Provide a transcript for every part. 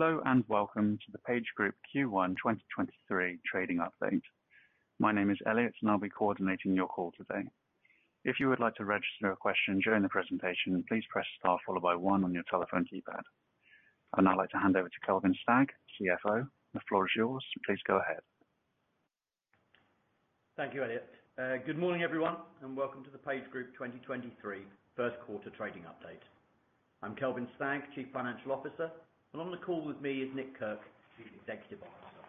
Hello, welcome to the PageGroup Q1 2023 trading update. My name is Elliot, and I'll be coordinating your call today. If you would like to register a question during the presentation, please press star followed by one on your telephone keypad. I'd now like to hand over to Kelvin Stagg, CFO. The floor is yours. Please go ahead. Thank you, Elliot. Good morning, everyone, and welcome to the PageGroup 2023 first quarter trading update. I'm Kelvin Stagg, Chief Financial Officer, and on the call with me is Nick Kirk, Chief Executive Officer.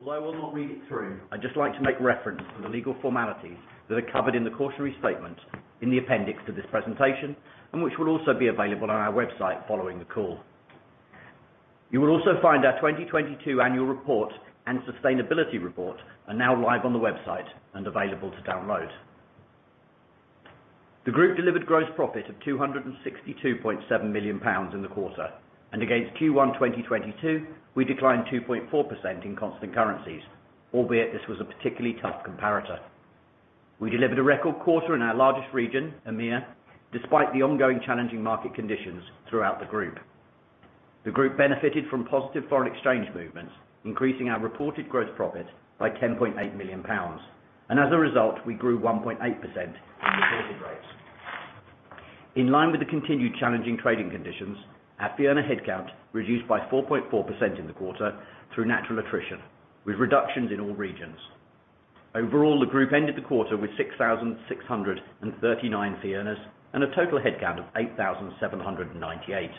Although I will not read it through, I'd just like to make reference to the legal formalities that are covered in the cautionary statement in the appendix to this presentation, and which will also be available on our website following the call. You will also find our 2022 annual report and sustainability report are now live on the website and available to download. The Group delivered gross profit of 262.7 million pounds in the quarter. Against Q1 2022, we declined 2.4% in constant currencies, albeit this was a particularly tough comparator. We delivered a record quarter in our largest region, EMEA, despite the ongoing challenging market conditions throughout the Group. The Group benefited from positive foreign exchange movements, increasing our reported gross profit by 10.8 million pounds. As a result, we grew 1.8% in reported rates. In line with the continued challenging trading conditions, our fee earner headcount reduced by 4.4% in the quarter through natural attrition, with reductions in all regions. Overall, the Group ended the quarter with 6,639 fee earners and a total headcount of 8,798.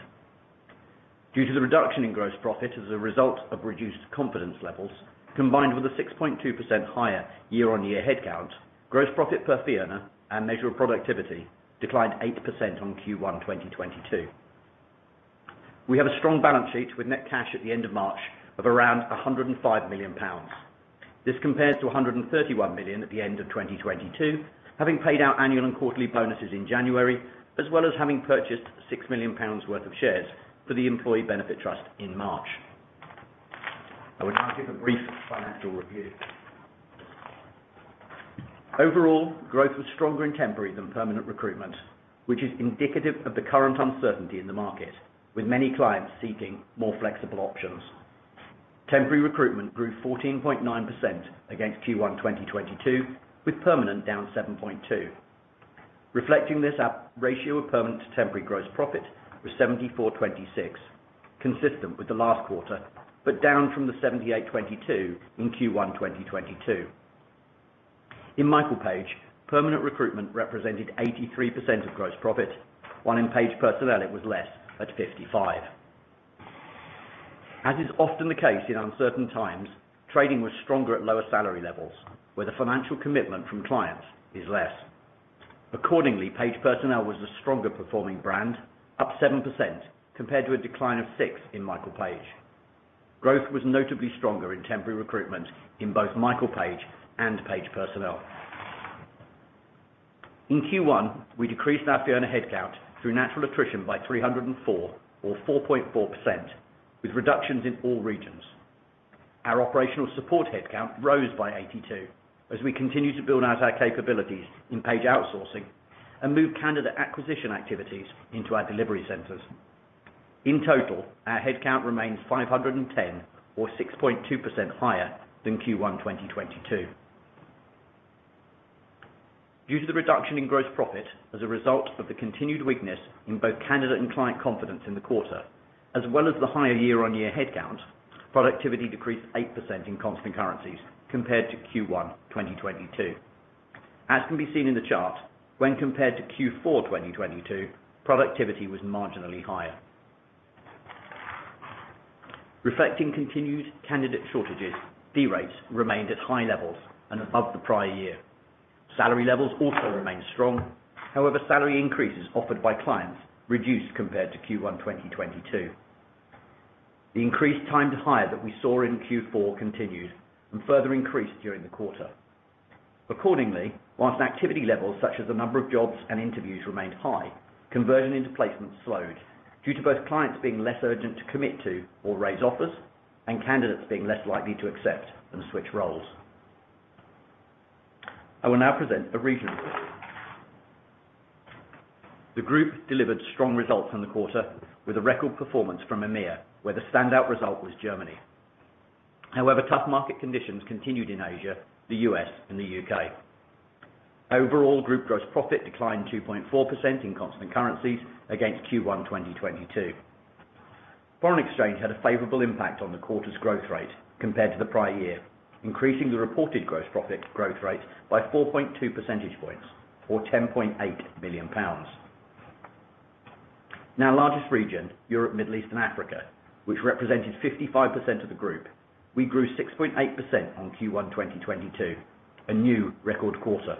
Due to the reduction in gross profit as a result of reduced confidence levels, combined with a 6.2% higher year-on-year headcount, gross profit per fee earner and measure of productivity declined 8% on Q1 2022. We have a strong balance sheet with net cash at the end of March of around 105 million pounds. This compares to 131 million at the end of 2022, having paid our annual and quarterly bonuses in January, as well as having purchased 6 million pounds worth of shares for the employee benefit trust in March. I will now give a brief financial review. Overall, growth was stronger in temporary than permanent recruitment, which is indicative of the current uncertainty in the market, with many clients seeking more flexible options. Temporary recruitment grew 14.9% against Q1 2022, with permanent down 7.2%. Reflecting this, our ratio of permanent to temporary gross profit was 74/26, consistent with the last quarter, but down from the 78/22 in Q1 2022. In Michael Page, permanent recruitment represented 83% of gross profit, while in Page Personnel it was less, at 55%. As is often the case in uncertain times, trading was stronger at lower salary levels, where the financial commitment from clients is less. Accordingly, Page Personnel was the stronger performing brand, up 7% compared to a decline of 6% in Michael Page. Growth was notably stronger in temporary recruitment in both Michael Page and Page Personnel. In Q1, we decreased our fee earner headcount through natural attrition by 304 or 4.4%, with reductions in all regions. Our operational support headcount rose by 82 as we continue to build out our capabilities in Page Outsourcing and move candidate acquisition activities into our delivery centers. In total, our headcount remains 510 or 6.2% higher than Q1 2022. Due to the reduction in gross profit as a result of the continued weakness in both candidate and client confidence in the quarter, as well as the higher year-on-year headcount, productivity decreased 8% in constant currencies compared to Q1 2022. As can be seen in the chart, when compared to Q4 2022, productivity was marginally higher. Reflecting continued candidate shortages, fee rates remained at high levels and above the prior year. Salary levels also remained strong. However, salary increases offered by clients reduced compared to Q1 2022. The increased time to hire that we saw in Q4 continued and further increased during the quarter. Accordingly, whilst activity levels such as the number of jobs and interviews remained high, conversion into placements slowed due to both clients being less urgent to commit to or raise offers and candidates being less likely to accept and switch roles. I will now present the region report. The Group delivered strong results in the quarter with a record performance from EMEA, where the standout result was Germany. Tough market conditions continued in Asia, the U.S., and the U.K. Group gross profit declined 2.4% in constant currencies against Q1 2022. Foreign exchange had a favorable impact on the quarter's growth rate compared to the prior year, increasing the reported gross profit growth rate by 4.2 percentage points or 10.8 million pounds. In our largest region, Europe, Middle East, and Africa, which represented 55% of the Group, we grew 6.8% on Q1 2022, a new record quarter.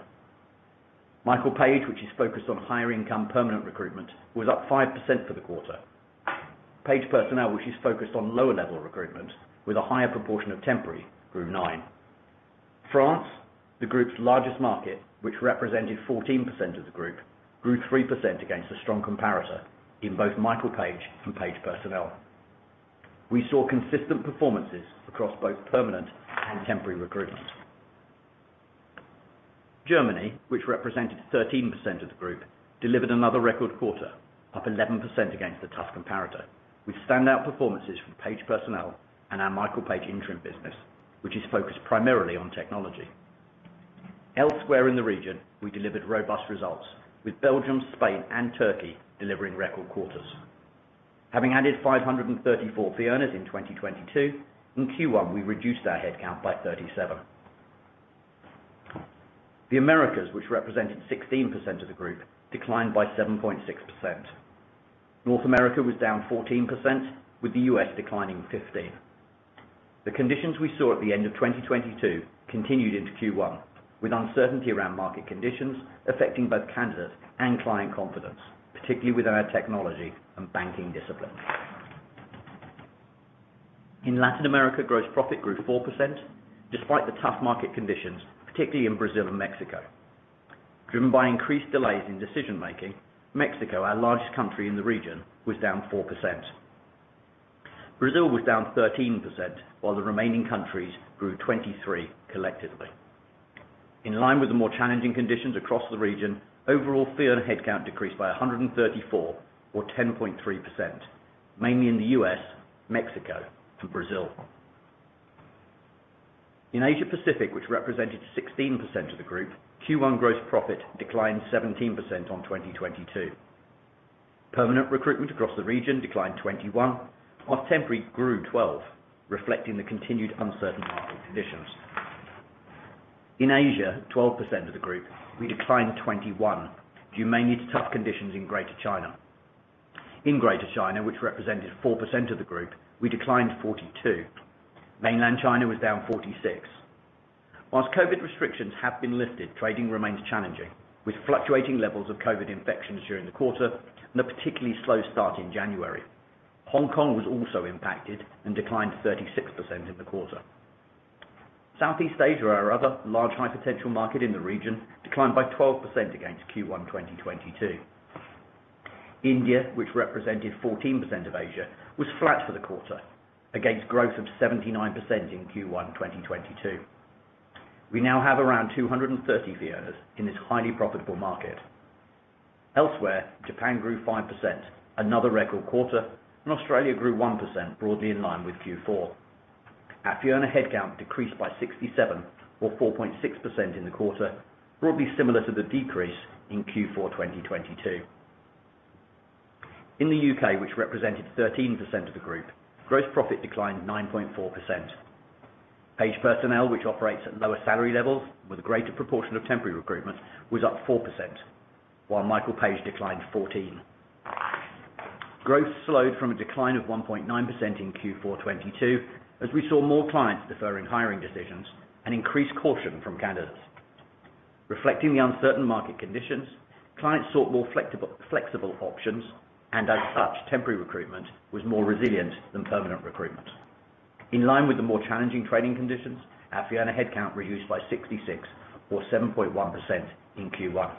Michael Page, which is focused on higher income permanent recruitment, was up 5% for the quarter. Page Personnel, which is focused on lower level recruitment with a higher proportion of temporary, grew 9%. France, the Group's largest market, which represented 14% of the Group, grew 3% against a strong comparator in both Michael Page and Page Personnel. We saw consistent performances across both permanent and temporary recruitment. Germany, which represented 13% of the Group, delivered another record quarter, up 11% against the tough comparator, with standout performances from Page Personnel and our Michael Page interim business, which is focused primarily on technology. Elsewhere in the region, we delivered robust results with Belgium, Spain and Turkey delivering record quarters. Having added 534 fee earners in 2022, in Q1, we reduced our headcount by 37. The Americas, which represented 16% of the Group, declined by 7.6%. North America was down 14%, with the U.S. declining 15%. The conditions we saw at the end of 2022 continued into Q1, with uncertainty around market conditions affecting both candidates and client confidence, particularly within our technology and banking disciplines. In Latin America, gross profit grew 4% despite the tough market conditions, particularly in Brazil and Mexico. Driven by increased delays in decision making, Mexico, our largest country in the region, was down 4%. Brazil was down 13%, while the remaining countries grew 23% collectively. In line with the more challenging conditions across the region, overall fee earner headcount decreased by 134 or 10.3%, mainly in the U.S., Mexico and Brazil. In Asia-Pacific, which represented 16% of the Group, Q1 gross profit declined 17% on 2022. Permanent recruitment across the region declined 21%, while temporary grew 12%, reflecting the continued uncertain market conditions. In Asia, 12% of the Group, we declined 21% due mainly to tough conditions in Greater China. In Greater China, which represented 4% of the Group, we declined 42%. Mainland China was down 46%. COVID restrictions have been lifted, trading remains challenging, with fluctuating levels of COVID infections during the quarter and a particularly slow start in January. Hong Kong was also impacted and declined 36% in the quarter. Southeast Asia, our other large high potential market in the region, declined by 12% against Q1 2022. India, which represented 14% of Asia, was flat for the quarter against growth of 79% in Q1 2022. We now have around 230 fee earners in this highly profitable market. Elsewhere, Japan grew 5%, another record quarter, Australia grew 1% broadly in line with Q4. Our fee earner headcount decreased by 67 or 4.6% in the quarter, broadly similar to the decrease in Q4 2022. In the U.K., which represented 13% of the Group, gross profit declined 9.4%. Page Personnel, which operates at lower salary levels with a greater proportion of temporary recruitment, was up 4%, while Michael Page declined 14%. Growth slowed from a decline of 1.9% in Q4 2022 as we saw more clients deferring hiring decisions and increased caution from candidates. Reflecting the uncertain market conditions, clients sought more flexible options and as such, temporary recruitment was more resilient than permanent recruitment. In line with the more challenging trading conditions, our fee earner headcount reduced by 66 or 7.1% in Q1.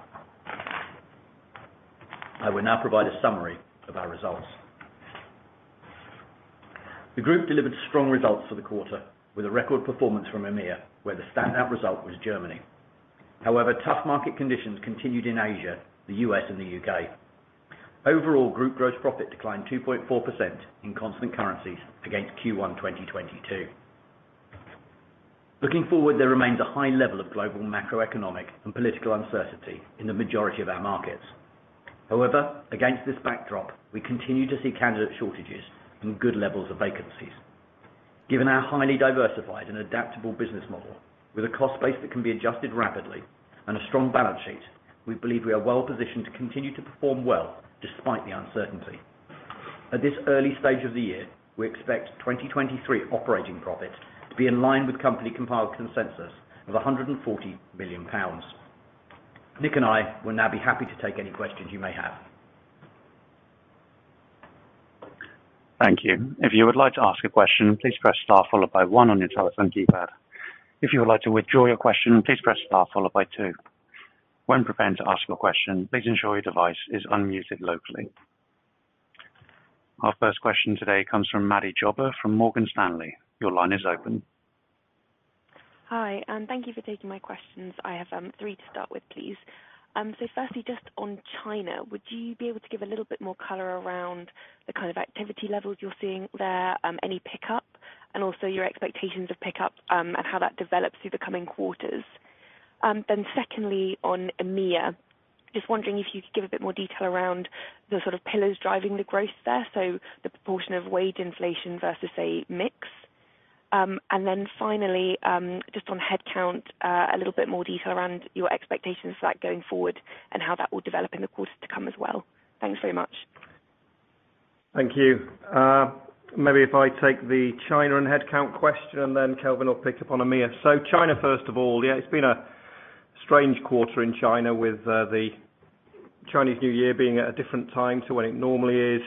I will now provide a summary of our results. The Group delivered strong results for the quarter with a record performance from EMEA, where the standout result was Germany. Tough market conditions continued in Asia, the U.S. and the U.K. Overall, Group gross profit declined 2.4% in constant currencies against Q1 2022. Looking forward, there remains a high level of global macroeconomic and political uncertainty in the majority of our markets. However, against this backdrop, we continue to see candidate shortages and good levels of vacancies. Given our highly diversified and adaptable business model with a cost base that can be adjusted rapidly and a strong balance sheet, we believe we are well positioned to continue to perform well despite the uncertainty. At this early stage of the year, we expect 2023 operating profit to be in line with company compiled consensus of 140 million pounds. Nick and I will now be happy to take any questions you may have. Thank you. If you would like to ask a question, please press star followed by one on your telephone keypad. If you would like to withdraw your question, please press star followed by two. When preparing to ask your question, please ensure your device is unmuted locally. Our first question today comes from Maddie Jobber from Morgan Stanley. Your line is open. Hi, and thank you for taking my questions. I have three to start with, please. Firstly, just on China, would you be able to give a little bit more color around the kind of activity levels you're seeing there, any pickup and also your expectations of pickup and how that develops through the coming quarters? Secondly, on EMEA, just wondering if you could give a bit more detail around the sort of pillars driving the growth there. The proportion of wage inflation versus, say, mix. Finally, just on headcount, a little bit more detail around your expectations for that going forward and how that will develop in the course to come as well. Thanks very much. Thank you. Maybe if I take the China and headcount question and then Kelvin will pick up on EMEA. China, first of all, yeah, it's been a strange quarter in China with the Chinese New Year being at a different time to when it normally is,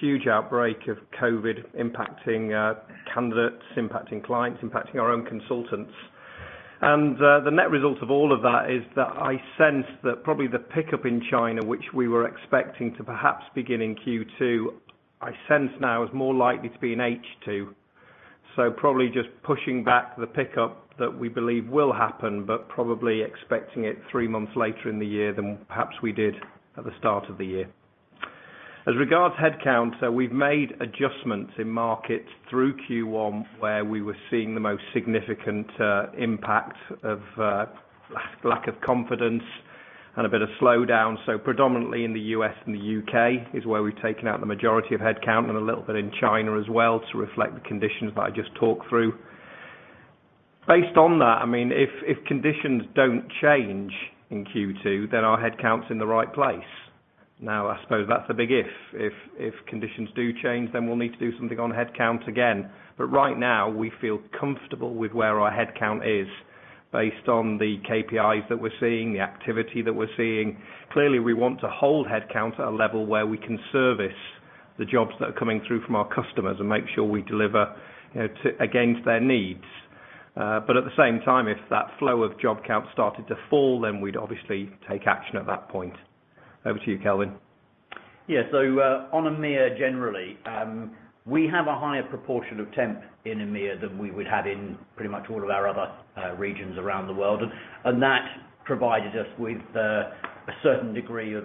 huge outbreak of COVID impacting candidates, impacting clients, impacting our own consultants The net result of all of that is that I sense that probably the pickup in China, which we were expecting to perhaps begin in Q2, I sense now is more likely to be in H2. Probably just pushing back the pickup that we believe will happen, but probably expecting it three months later in the year than perhaps we did at the start of the year. As regards headcount, we've made adjustments in markets through Q1, where we were seeing the most significant impact of lack of confidence and a bit of slowdown. Predominantly in the U.S. and the U.K. is where we've taken out the majority of headcount and a little bit in China as well to reflect the conditions that I just talked through. Based on that, I mean, if conditions don't change in Q2, then our head count is in the right place. Now I suppose that's a big if. If conditions do change, then we'll need to do something on head count again. Right now we feel comfortable with where our head count is based on the KPIs that we're seeing, the activity that we're seeing. Clearly, we want to hold head count at a level where we can service the jobs that are coming through from our customers and make sure we deliver, you know, to-against their needs. At the same time, if that flow of job count started to fall, then we'd obviously take action at that point. Over to you, Kelvin. Yeah. On EMEA, generally, we have a higher proportion of temp in EMEA than we would have in pretty much all of our other regions around the world. That provided us with a certain degree of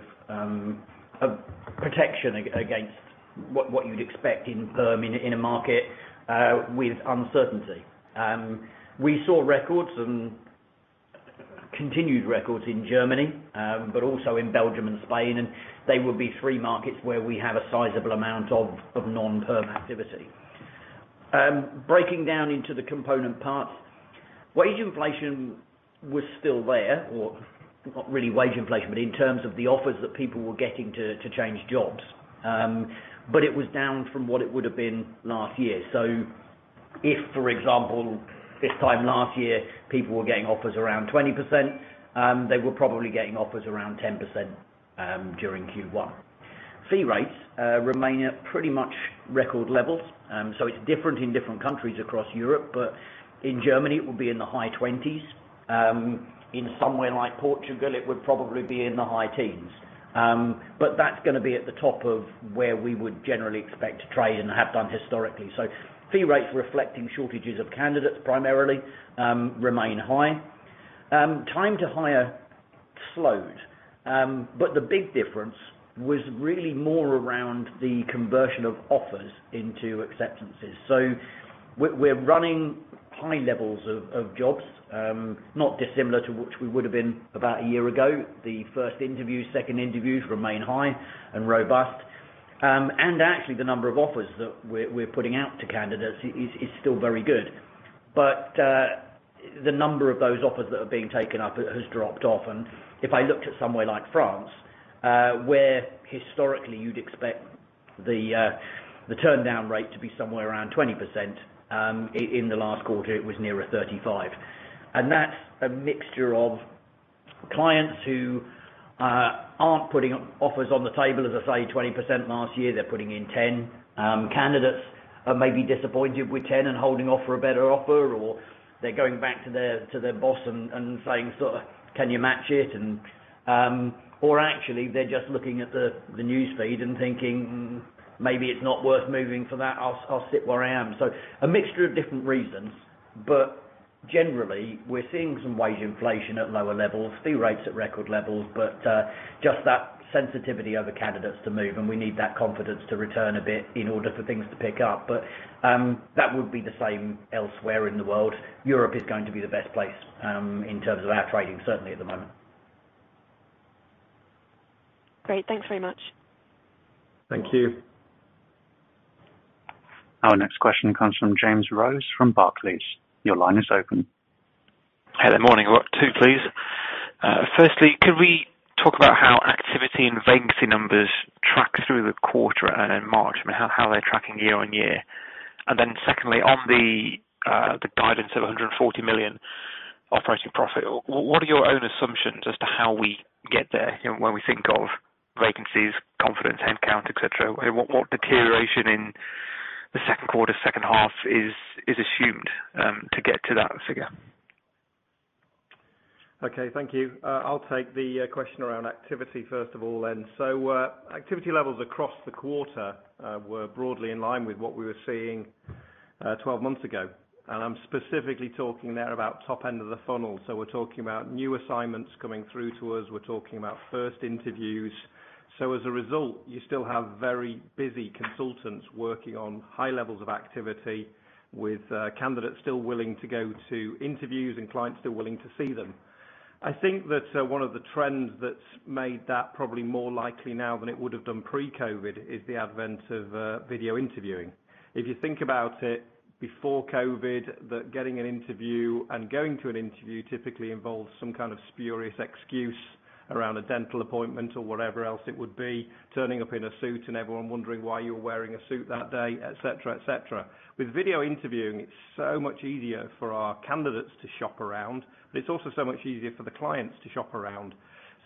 protection against what you'd expect in perm in a market with uncertainty. We saw records and continued records in Germany, also in Belgium and Spain, and they would be three markets where we have a sizable amount of non-perm activity. Breaking down into the component parts, wage inflation was still there, or not really wage inflation, but in terms of the offers that people were getting to change jobs. It was down from what it would've been last year. If, for example, this time last year, people were getting offers around 20%, they were probably getting offers around 10% during Q1. Fee rates remain at pretty much record levels. It's different in different countries across Europe, but in Germany it would be in the high 20%s. In somewhere like Portugal, it would probably be in the high teens. That's gonna be at the top of where we would generally expect to trade and have done historically. Fee rates reflecting shortages of candidates primarily, remain high. Time to hire slowed. The big difference was really more around the conversion of offers into acceptances. We're running high levels of jobs, not dissimilar to which we would've been about a year ago. The first interviews, second interviews remain high and robust. Actually the number of offers that we're putting out to candidates is still very good. The number of those offers that are being taken up has dropped off. If I looked at somewhere like France, where historically you'd expect the turndown rate to be somewhere around 20%, in the last quarter it was nearer 35%. That's a mixture of clients who aren't putting offers on the table, as I say, 20% last year, they're putting in 10%. Candidates are maybe disappointed with 10% and holding off for a better offer, or they're going back to their, to their boss and saying sort of, "Can you match it?" Actually they're just looking at the newsfeed and thinking, "Maybe it's not worth moving for that." I'll sit where I am." A mixture of different reasons, but generally we're seeing some wage inflation at lower levels, fee rates at record levels, but just that sensitivity of the candidates to move, and we need that confidence to return a bit in order for things to pick up. That would be the same elsewhere in the world. Europe is going to be the best place in terms of our trading, certainly at the moment. Great. Thanks very much. Thank you. Our next question comes from James Rose from Barclays. Your line is open. Hey, good morning. I've got two, please. firstly, could we talk about how activity and vacancy numbers track through the quarter and in March? I mean, how they're tracking year on year. secondly, on the guidance of 140 million operating profit, what are your own assumptions as to how we get there, you know, when we think of vacancies, confidence, head count, et cetera? What deterioration in the second quarter, second half is assumed to get to that figure? Okay. Thank you. I'll take the question around activity first of all then. Activity levels across the quarter were broadly in line with what we were seeing 12 months ago. I'm specifically talking there about top end of the funnel. We're talking about new assignments coming through to us. We're talking about first interviews. As a result, you still have very busy consultants working on high levels of activity with candidates still willing to go to interviews and clients still willing to see them. I think that one of the trends that's made that probably more likely now than it would've done pre-COVID is the advent of video interviewing. If you think about it, before COVID, that getting an interview and going to an interview typically involves some kind of spurious excuse around a dental appointment or whatever else it would be, turning up in a suit and everyone wondering why you are wearing a suit that day, et cetera, et cetera. With video interviewing, it's so much easier for our candidates to shop around, but it's also so much easier for the clients to shop around.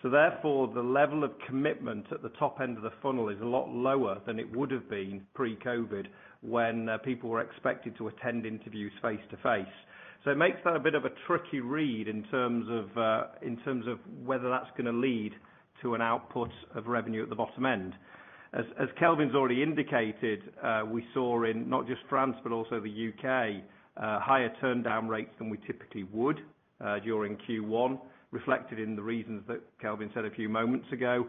Therefore, the level of commitment at the top end of the funnel is a lot lower than it would've been pre-COVID when people were expected to attend interviews face-to-face. It makes that a bit of a tricky read in terms of in terms of whether that's gonna lead to an output of revenue at the bottom end. As Kelvin's already indicated, we saw in not just France, but also the U.K., higher turndown rates than we typically would during Q1, reflected in the reasons that Kelvin said a few moments ago.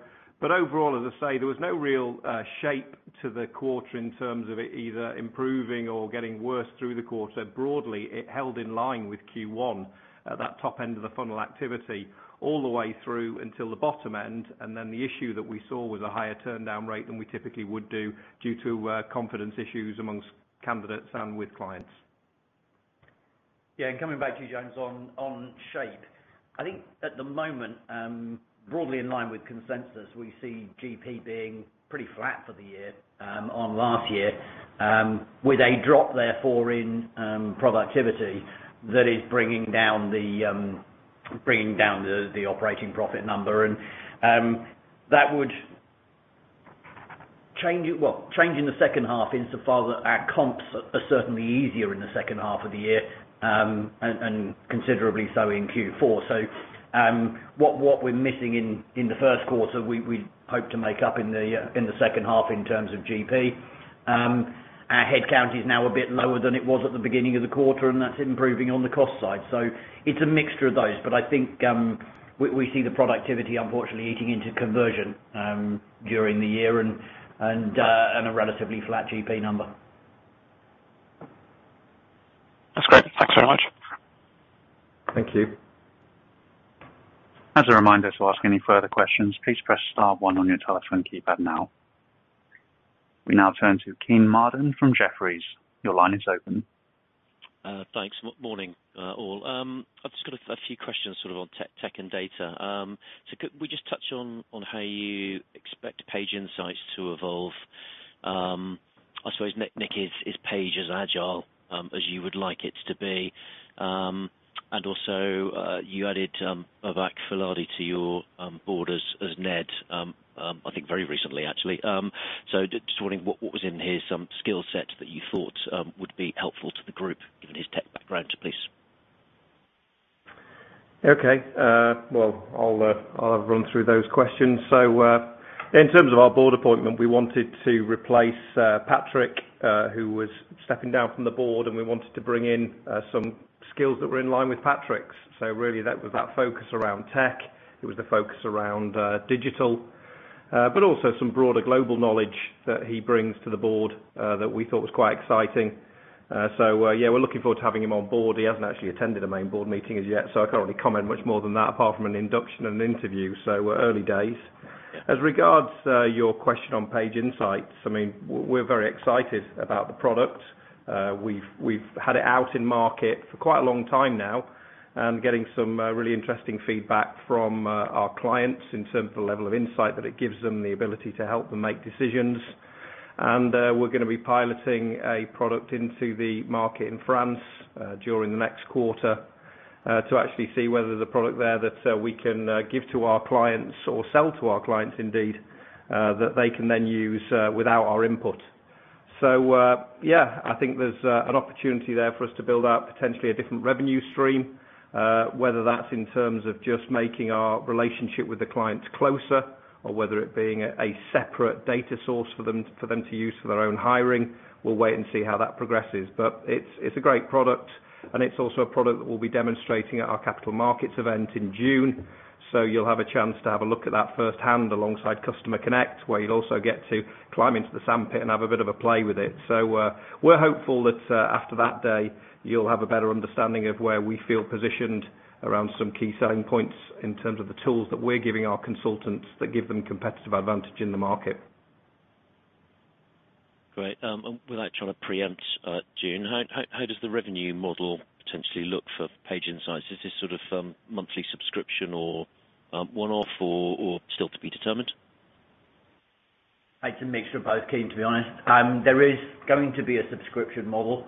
Overall, as I say, there was no real shape to the quarter in terms of it either improving or getting worse through the quarter. Broadly, it held in line with Q1 at that top end of the funnel activity all the way through until the bottom end, and then the issue that we saw was a higher turndown rate than we typically would do due to confidence issues amongst candidates and with clients. Yeah, coming back to you, James, on shape. I think at the moment, broadly in line with consensus, we see GP being pretty flat for the year on last year with a drop therefore in productivity that is bringing down the operating profit number. Well, change in the second half insofar that our comps are certainly easier in the second half of the year, and considerably so in Q4. What we're missing in the first quarter, we hope to make up in the second half in terms of GP. Our head count is now a bit lower than it was at the beginning of the quarter, and that's improving on the cost side. It's a mixture of those. I think, we see the productivity unfortunately eating into conversion, during the year and a relatively flat GP number. That's great. Thanks very much. Thank you. As a reminder to ask any further questions, please press star one on your telephone keypad now. We now turn to Kean Marden from Jefferies. Your line is open. Thanks. Morning, all. I've just got a few questions sort of on tech and data. Could we just touch on how you expect Page Insights to evolve? I suppose Nick is Page as agile as you would like it to be? And also, you added Babak Fouladi to your board as NED, I think very recently actually. Just wondering what was in his skill set that you thought would be helpful to the Group, given his tech background, please. Okay. Well, I'll run through those questions. In terms of our board appointment, we wanted to replace Patrick, who was stepping down from the board, and we wanted to bring in some skills that were in line with Patrick's. Really that was that focus around tech. It was the focus around digital, but also some broader global knowledge that he brings to the board that we thought was quite exciting. Yeah, we're looking forward to having him on board. He hasn't actually attended a main board meeting as yet, so I can't really comment much more than that, apart from an induction and interview, so we're early days. As regards to your question on Page Insights, I mean, we're very excited about the product. We've had it out in market for quite a long time now and getting some really interesting feedback from our clients in terms of the level of insight that it gives them, the ability to help them make decisions. We're gonna be piloting a product into the market in France during the next quarter to actually see whether the product there that we can give to our clients or sell to our clients indeed, that they can then use without our input. Yeah, I think there's an opportunity there for us to build out potentially a different revenue stream, whether that's in terms of just making our relationship with the clients closer or whether it being a separate data source for them, for them to use for their own hiring. We'll wait and see how that progresses. It's, it's a great product, and it's also a product that we'll be demonstrating at our capital markets event in June. You'll have a chance to have a look at that firsthand alongside Customer Connect, where you'll also get to climb into the sandpit and have a bit of a play with it. We're hopeful that, after that day, you'll have a better understanding of where we feel positioned around some key selling points in terms of the tools that we're giving our consultants that give them competitive advantage in the market. Great. Without trying to preempt, June, how does the revenue model potentially look for Page Insights? Is this sort of, monthly subscription or, one-off or still to be determined? It's a mixture of both, Kean, to be honest. There is going to be a subscription model,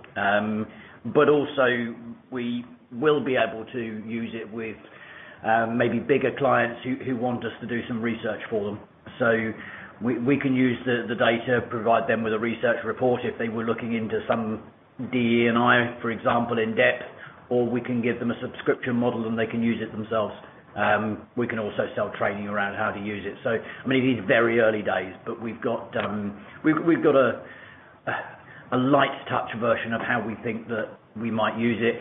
but also we will be able to use it with maybe bigger clients who want us to do some research for them. We can use the data, provide them with a research report if they were looking into some DE&I, for example, in depth, or we can give them a subscription model, and they can use it themselves. We can also sell training around how to use it. I mean, it is very early days, but we've got a light touch version of how we think that we might use it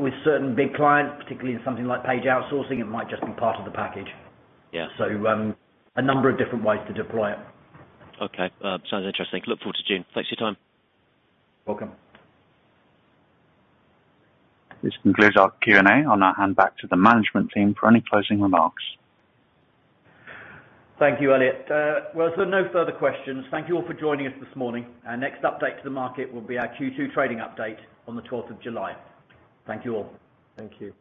with certain big clients, particularly in something like Page Outsourcing, it might just be part of the package. Yeah. A number of different ways to deploy it. Okay. sounds interesting. Look forward to June. Thanks for your time. Welcome. This concludes our Q&A. I'll now hand back to the management team for any closing remarks. Thank you, Elliot. well, no further questions. Thank you all for joining us this morning. Our next update to the market will be our Q2 trading update on the 12th of July. Thank you all. Thank you.